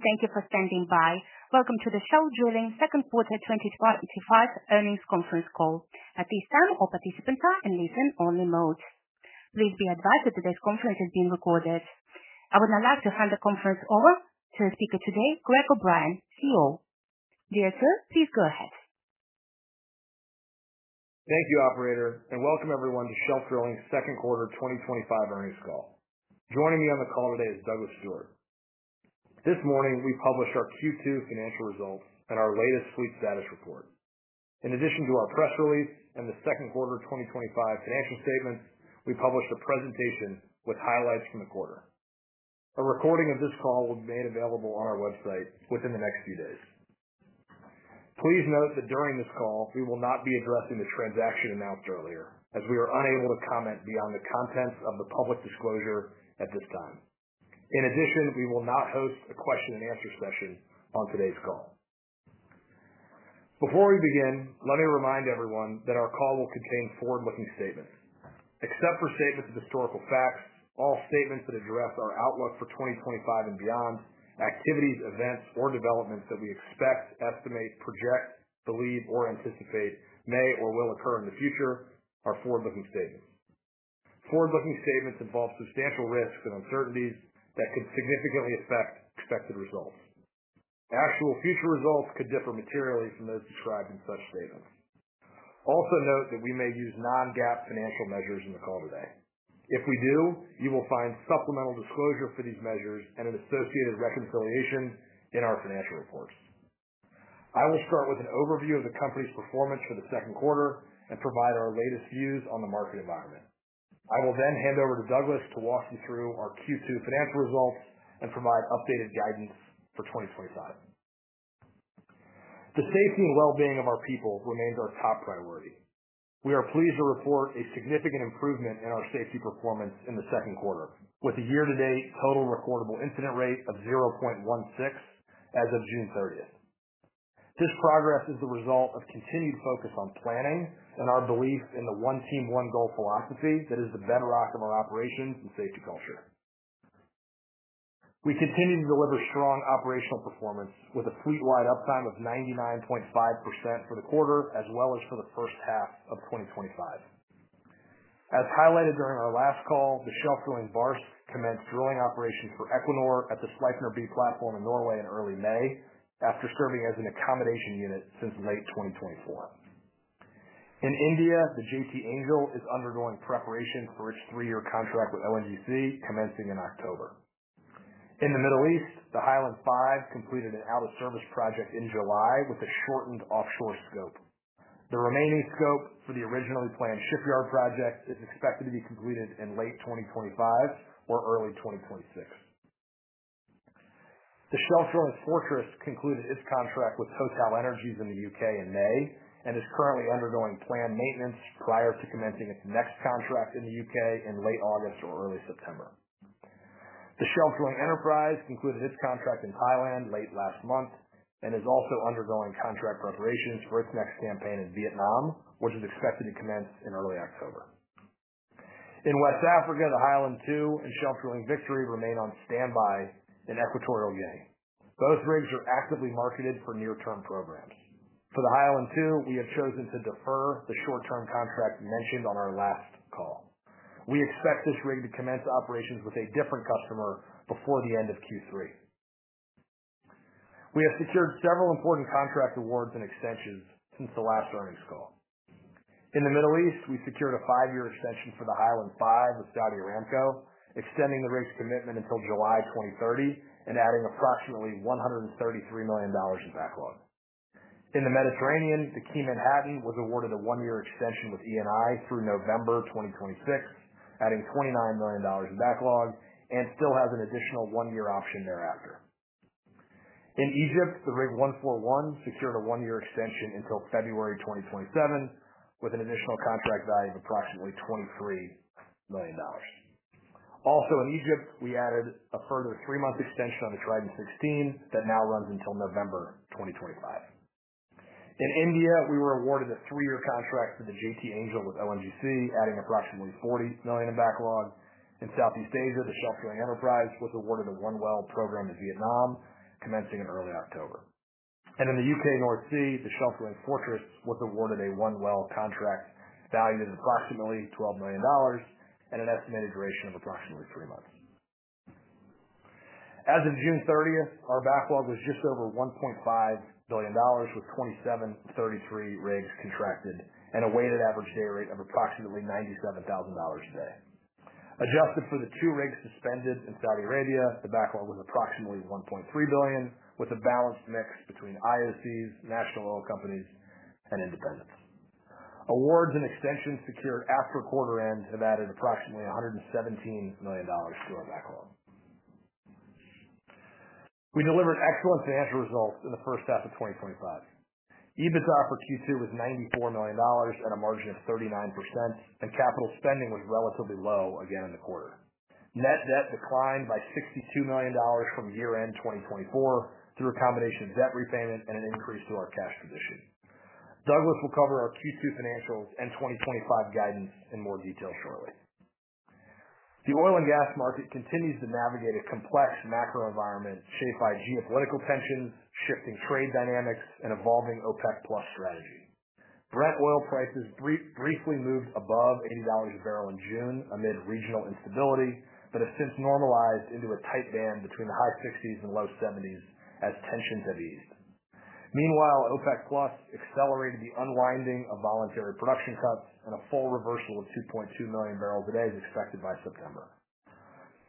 Thank you for standing by. Welcome to the Shelf Drilling Second Quarter 2025 Earnings Conference Call. At this time, all participants are in listen-only mode. Please be advised that this conference is being recorded. I would now like to hand the conference over to our speaker today, Greg O’Brien, CEO and Director. Dear sir, please go ahead. Thank you, operator, and welcome everyone to Shelf Drilling's Second Quarter 2025 Earnings Call. Joining me on the call today is Douglas Stewart. This morning, we published our Q2 financial results and our latest fleet status report. In addition to our press release and the second quarter 2025 financial statements, we published the presentations with highlights from the quarter. A recording of this call will be made available on our website within the next few days. Please note that during this call, we will not be addressing the transaction announced earlier, as we are unable to comment beyond the contents of the public disclosure at this time. In addition, we will not host a question and answer session on today's call. Before we begin, let me remind everyone that our call will contain forward-looking statements. Except for statements of historical facts, all statements that address our outlook for 2025 and beyond, activities, events, or developments that we expect, estimate, project, believe, or anticipate may or will occur in the future are forward-looking statements. Forward-looking statements involve substantial risks and uncertainties that could significantly affect expected results. Actual future results could differ materially from those described in such statements. Also note that we may use non-GAAP financial measures in the call today. If we do, you will find supplemental disclosure for these measures and an associated reconciliation in our financial reports. I will start with an overview of the company's performance for the second quarter and provide our latest views on the market environment. I will then hand over to Douglas to walk you through our Q2 financial results and provide updated guidance for 2025. The safety and wellbeing of our people remains our top priority. We are pleased to report a significant improvement in our safety performance in the second quarter, with a year-to-date total recordable incident rate of 0.16 as of June 30th. This progress is the result of continued focus on planning and our belief in the one team, one goal philosophy that is the bedrock of our operations and safety culture. We continue to deliver strong operational performance with a fleet-wide uptime of 99.5% for the quarter, as well as for the first half of 2025. As highlighted during our last call, the Shelf Drilling Barsk commenced drilling operations for Equinor at the Sleipner B platform in Norway in early May, after serving as an accommodation unit since late 2023. In India, the JT Angel is undergoing preparations for its three-year contract with ONGC, commencing in October. In the Middle East, the High Island V completed an out-of-service project in July with a shortened offshore scope. The remaining scope for the originally planned shipyard projects is expected to be completed in late 2025 or early 2026. The Shelf Drilling Fortress concluded its contract with Coastal Energies in the U.K. in May and is currently undergoing planned maintenance prior to commencing its next contract in the U.K. in late August or early September. The Shelf Drilling Enterprise concluded its contract in Thailand late last month and is also undergoing contract preparations for its next campaign in Vietnam, which is expected to commence in early October. In West Africa, the Island II and Shelf Drilling Victory remain on standby in Equatorial Guinea. Both rigs are actively marketed for near-term programs. For the Island II, we have chosen to defer the short-term contract mentioned on our last call. We expect this rig to commence operations with a different customer before the end of Q3. We have secured several important contract awards and extensions since the last earnings call. In the Middle East, we've secured a five-year extension for the Island V with Saudi Aramco, extending the rig's commitment until July 2030 and adding approximately $133 million in backlog. In the Mediterranean, the Key Manhattan was awarded a one-year extension with ENI through November 2026, adding $29 million in backlog, and still has an additional one-year option thereafter. In Egypt, the Rig 141 secured a one-year extension until February 2027, with an additional contract value of approximately $23 million. Also in Egypt, we added a further three-month extension on the Trident 16 that now runs until November 2025. In India, we were awarded a three-year contract for the JT Angel with ONGC, adding approximately $40 million in backlog. In Southeast Asia, the Shelf Drilling Enterprise was awarded a one-well program in Vietnam, commencing in early October. In the U.K. North Sea, the Sheltering Fortress was awarded a one-well contract valued at approximately $12 million and an estimated duration of approximately three months. As of June 30th, our backlog was just over $1.5 billion, with 27 of 33 rigs contracted and a weighted average day rate of approximately $97,000 a day. Adjusted for the two rigs suspended in Saudi Aramco, the backlog was approximately $1.3 billion, with a balanced mix between IOCs, national oil companies, and independents. Awards and extensions secured after quarter-end have added approximately $117 million to our backlog. We delivered excellent financial results in the first half of 2025. Adjusted EBITDA for Q2 was $94 million at a margin of 39%, and capital spending was relatively low again in the quarter. Net debt declined by $62 million from year-end 2024 through a combination of debt repayment and an increase through our cash condition. Douglas will cover our Q2 financials and 2025 guidance in more detail shortly. The oil and gas market continues to navigate a complex macro environment shaped by geopolitical tensions, shifting trade dynamics, and evolving OPEC+ strategy. Brent oil prices briefly moved above $80 a barrel in June amid regional instability, but have since normalized into a tight band between the high 50s and low 70s as tensions have eased. Meanwhile, OPEC+ accelerated the unwinding of voluntary production cuts and a full reversal of 2.2 million bbls a day is expected by September.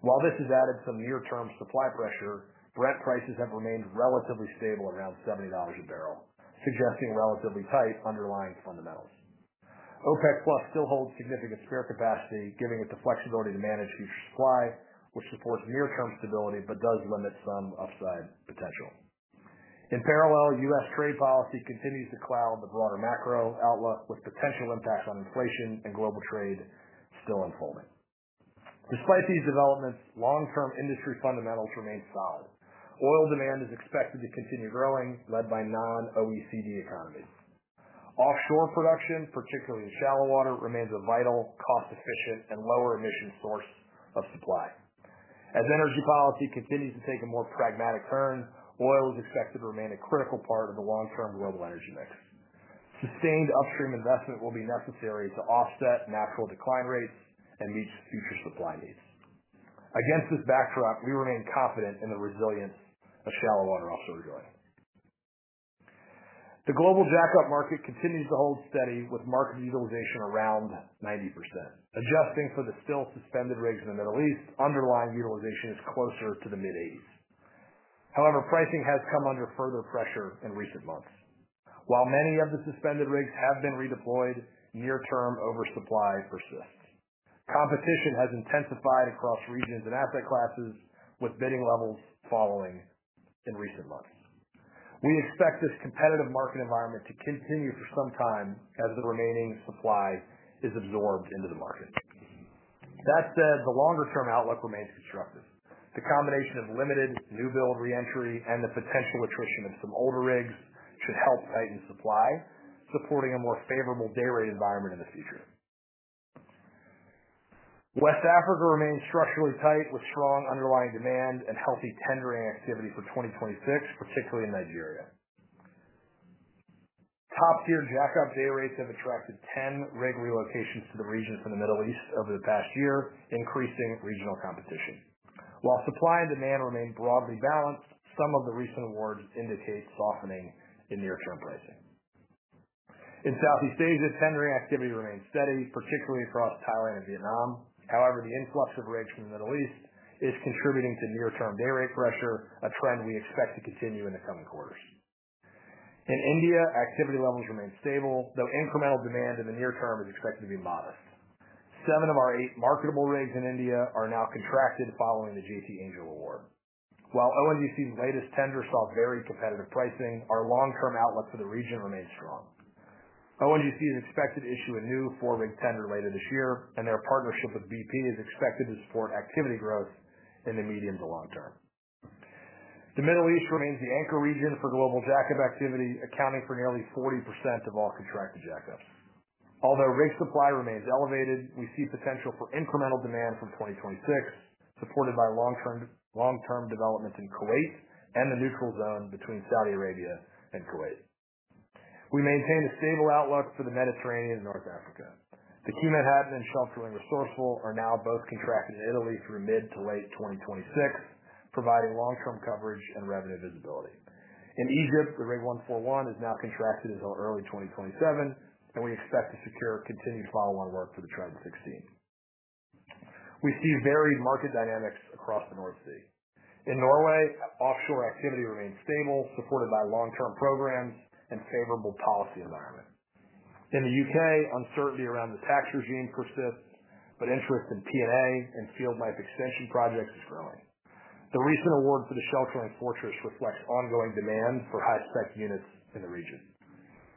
While this has added some near-term supply pressure, Brent prices have remained relatively stable around $70 a barrel, suggesting relatively tight underlying fundamentals. OPEC+ still holds significant spare capacity, giving it the flexibility to manage future supply, which supports near-term stability but does limit some upside potential. In parallel, U.S. trade policy continues to cloud the broader macro outlook, with potential impacts on inflation and global trade still unfolding. Despite these developments, long-term industry fundamentals remain solid. Oil demand is expected to continue growing, led by a non-OECD economy. Offshore production, particularly shallow water, remains a vital cost-efficient and lower emissions source of supply. As energy policy continues to take a more pragmatic turn, oil is expected to remain a critical part of the long-term global energy mix. Sustained upstream investment will be necessary to offset natural decline rates and meet future supply needs. Against this backdrop, we remain confident in the resilience of shallow water offshore drilling. The global jack-up market continues to hold steady, with market utilization around 90%. Adjusting for the still suspended rigs in the Middle East, underlying utilization is closer to the mid-eighties. However, pricing has come under further pressure in recent months. While many of the suspended rigs have been redeployed, year-term oversupply persists. Competition has intensified across regions and asset classes, with bidding levels falling in recent months. We expect this competitive market environment to continue for some time as the remaining supply is absorbed into the market. That said, the longer-term outlook remains constructive. The combination of limited new build reentry and the potential attrition of some older rigs should help tighten supply, supporting a more favorable day rate environment in the future. West Africa remains structurally tight, with strong underlying demand and healthy tendering activity for 2026, particularly in Nigeria. Top-tier jack-up day rates have attracted ten rig relocations to the region from the Middle East over the past year, increasing regional competition. While supply and demand remain broadly balanced, some of the recent awards indicate softening in near-term pricing. In Southeast Asia, tendering activity remains steady, particularly throughout Thailand and Vietnam. However, the influx of rigs from the Middle East is contributing to near-term day rate pressure, a trend we expect to continue in the coming quarters. In India, activity levels remain stable, though incremental demand in the near term is expected to be modest. Seven of our eight marketable rigs in India are now contracted following the JT Angel award. While ONGC's latest tender saw very competitive pricing, our long-term outlook for the region remains strong. ONGC is expected to issue a new four-rig tender later this year, and their partnership with BP is expected to support activity growth in the medium to long term. The Middle East remains the anchor region for global jack-up activity, accounting for nearly 40% of all contracted jack-up. Although rig supply remains elevated, we see potential for incremental demand from 2026, supported by long-term developments in Kuwait and the neutral zone between Saudi Arabia and Kuwait. We maintain a stable outlook for the Mediterranean and North Africa. The Key Manhattan and Shelf Drilling Resourceful are now both contracted in Italy through mid to late 2026, providing long-term coverage and revenue visibility. In Egypt, the Rig 141 is now contracted until early 2027, and we expect to secure continued follow-on work for the Trident 16. We see varied market dynamics across the North Sea. In Norway, offshore activity remains stable, supported by long-term programs and a favorable policy environment. In the U.K., uncertainty around the tax regime persists, but interest in P&A and field life extension projects is growing. The recent award for the Shelf Drilling Fortress reflects ongoing demand for high-spec units in the region.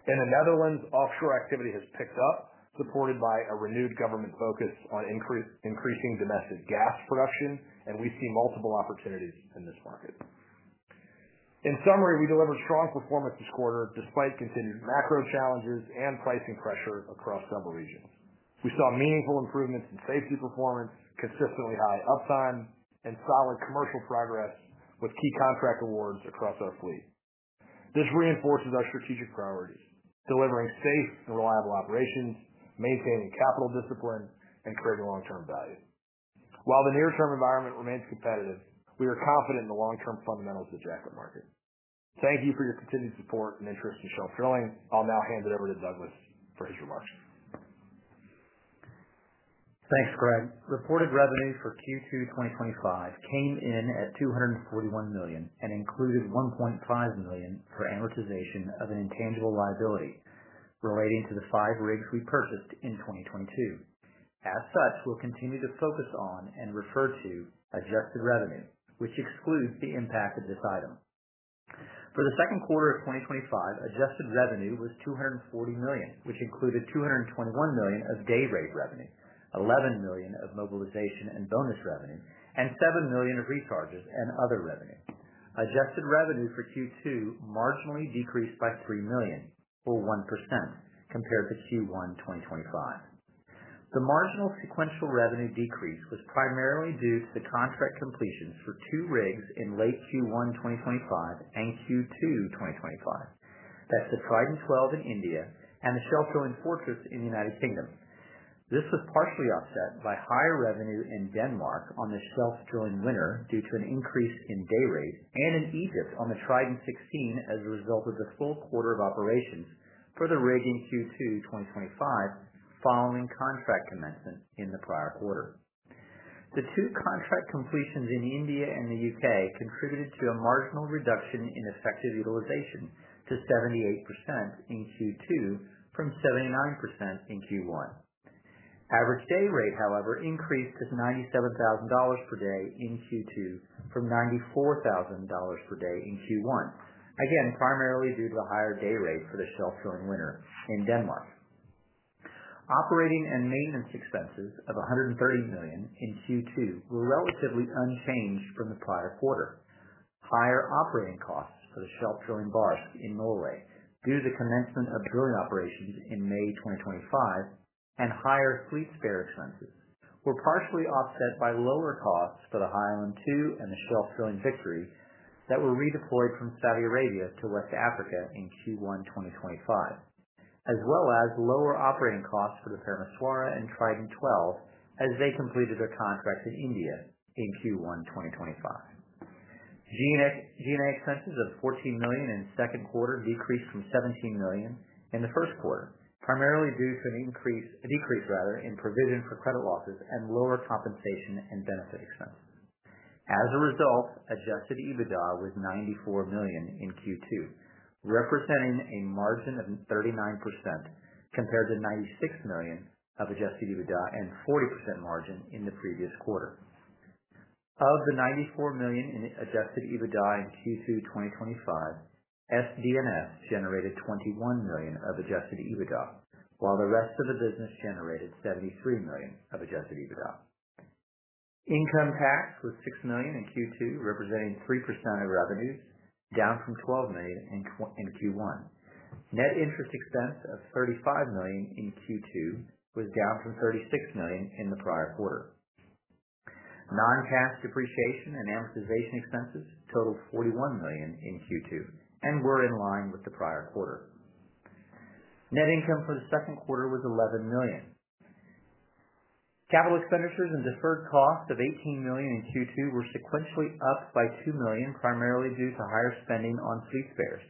In the Netherlands, offshore activity has picked up, supported by a renewed government focus on increasing domestic gas production, and we see multiple opportunities in this market. In summary, we delivered strong performance this quarter despite continued macro challenges and pricing pressure across several regions. We saw meaningful improvements in safety performance, consistently high uptime, and solid commercial progress with key contract awards across our fleet. This reinforces our strategic priorities, delivering safe and reliable operations, maintaining capital discipline, and creating long-term value. While the near-term environment remains competitive, we are confident in the long-term fundamentals of the jack-up market. Thank you for your continued support and interest in Shelf Drilling. I'll now hand it over to Douglas for his remarks. Thanks, Greg. Reported revenues for Q2 2025 came in at $241 million and included $1.5 million for amortization of an intangible liability relating to the five rigs we purchased in 2022. As such, we'll continue to focus on and refer to adjusted revenue, which excludes the impact of this item. For the second quarter of 2025, adjusted revenue was $240 million, which included $221 million of day rate revenue, $11 million of mobilization and bonus revenue, and $7 million of recharges and other revenue. Adjusted revenue for Q2 marginally decreased by $3 million or 1% compared to Q1 2025. The marginal sequential revenue decrease was primarily due to the contract completions for two rigs in late Q1 2025 and Q2 2025. That's for Trident 12 in India and the Sheltering Fortress in the United Kingdom. This was partially offset by higher revenue in Denmark on the Shelf Drilling Winner due to an increase in day rate, and in Egypt on the Trident 16 as a result of the full quarter of operations for the rig in Q2 2025 following contract commencement in the prior quarter. The two contract completions in India and the U.K. contributed to a marginal reduction in effective utilization to 78% in Q2 from 79% in Q1. Average day rate, however, increased to $97,000 per day in Q2 from $94,000 per day in Q1, again, primarily due to the higher day rate for the Shelf Drilling Winner in Denmark. Operating and maintenance expenses of $130 million in Q2 were relatively unchanged from the prior quarter. Higher operating costs for the Shelf Drilling Barsk in Norway due to the commencement of drilling operations in May 2025, and higher fleet spare expenses were partially offset by lower costs for the Island II and the Shelf Drilling Victory that were redeployed from Saudi Arabia to West Africa in Q1 2025, as well as lower operating costs for the Parameswara and Trident 12 as they completed their contract in India in Q1 2025. G&A expenses of $14 million in the second quarter decreased from $17 million in the first quarter, primarily due to a decrease in provision for credit losses and lower compensation and benefit expenses. As a result, adjusted EBITDA was $94 million in Q2, representing a margin of 39% compared to $96 million of adjusted EBITDA and a 40% margin in the previous quarter. Of the $94 million in adjusted EBITDA in Q2 2025, SD&S generated $21 million of adjusted EBITDA, while the rest of the business generated $73 million of adjusted EBITDA. Income tax was $6 million in Q2, representing 3% of revenue, down from $12 million in Q1. Net interest expense of $35 million in Q2 was down from $36 million in the prior quarter. Non-cash depreciation and amortization expenses totaled $41 million in Q2 and were in line with the prior quarter. Net income for the second quarter was $11 million. Capital expenditures and deferred costs of $18 million in Q2 were sequentially up by $2 million, primarily due to higher spending on fleet spares.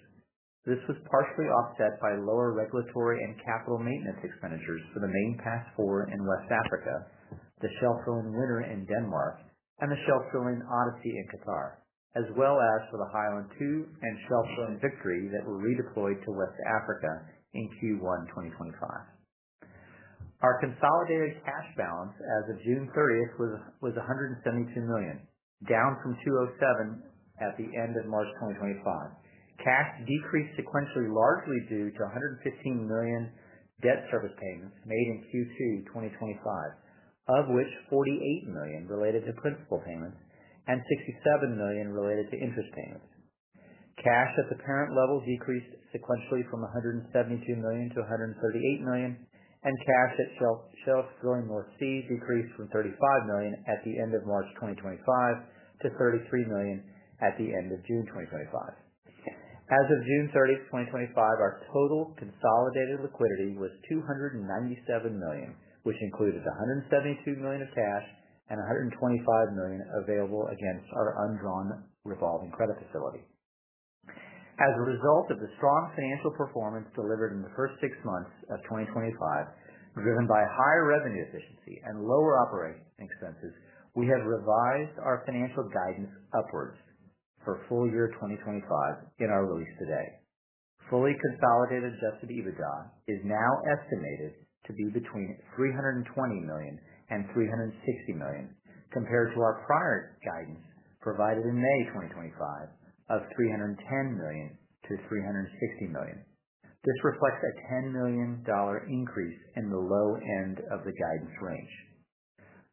This was partially offset by lower regulatory and capital maintenance expenditures for the Main Pass IV in West Africa, the Shelf Drilling Winner in Denmark, and the Shelf Drilling Odyssey in Qatar, as well as for the High Island II and Shelf Drilling Victory that were redeployed to West Africa in Q1 2025. Our consolidated cash balance as of June 30th was $172 million, down from $207 million at the end of March 2025. Cash decreased sequentially largely due to $115 million debt service payments made in Q2 2025, of which $48 million related to principal payments and $67 million related to interest payments. Cash at the current level decreased sequentially from $172 million to $138 million, and cash at Shelf Drilling North Sea decreased from $35 million at the end of March 2025 to $33 million at the end of June 2025. As of June 30th, 2025, our total consolidated liquidity was $297 million, which included $172 million of cash and $125 million available against our undrawn revolving credit facility. As a result of the strong financial performance delivered in the first six months of 2025, driven by high revenue efficiency and lower operating expenses, we have revised our financial guidance upwards for full year 2025 in our release today. Fully consolidated adjusted EBITDA is now estimated to be between $320 million and $360 million, compared to our prior guidance provided in May 2025 of $310 million-$360 million. This reflects a $10 million increase in the low end of the guidance range.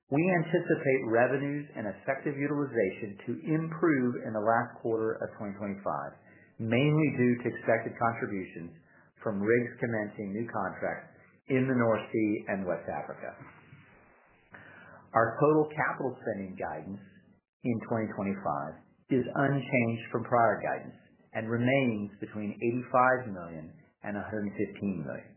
We anticipate revenues and effective utilization to improve in the last quarter of 2025, mainly due to expected contribution from rigs commencing new contracts in the North Sea and West Africa. Our total capital spending guidance in 2025 is unchanged from prior guidance and remains between $85 million and $115 million.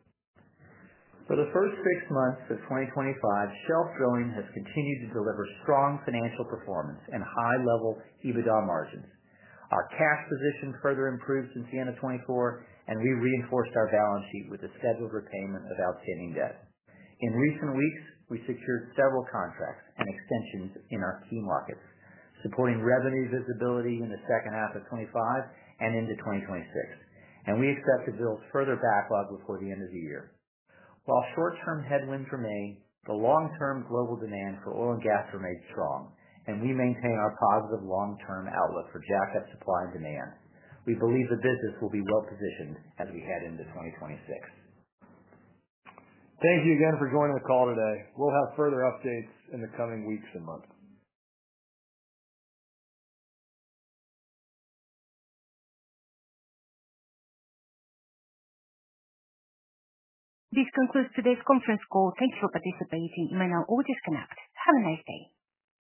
For the first six months of 2025, Shelf Drilling has continued to deliver strong financial performance and high-level EBITDA margins. Our cash position further improved since the end of 2024, and we reinforced our balance sheet with a steadfast repayment of outstanding debt. In recent weeks, we secured several contracts and extensions in our key markets, supporting revenue visibility in the second half of 2025 and into 2026, and we expect to build further backlog before the end of the year. While short-term headwinds remain, the long-term global demand for oil and gas remains strong, and we maintain our positive long-term outlook for jack-up supply and demand. We believe the business will be well-positioned as we head into 2026. Thank you again for joining the call today. We will have further updates in the coming weeks and months. This concludes today's conference call. Thank you for participating. You may now disconnect. Have a nice day.